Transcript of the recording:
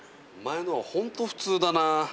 お前のは本当普通だな。